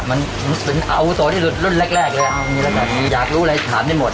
มันเป็นอาวุโสที่สุดรุ่นแรกแรกเลยอยากรู้อะไรถามได้หมด